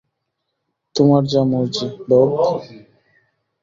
তোমার যা মর্জি, বব।